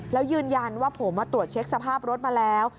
แล้วยืนยันว่าผมตรวจเช็คสภาพรถมาแล้ว